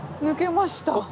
抜けました。